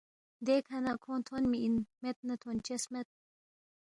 دیکھہ نہ کھونگ تھونمی اِن، مید نہ تھونچس مید